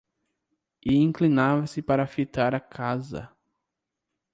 E inclinava-se para fitar a casa...